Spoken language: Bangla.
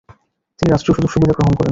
তিনি রাষ্ট্রীয় সুযোগ সুবিধা গ্রহণ করেন।